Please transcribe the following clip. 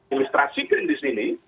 ilustrasikan di sini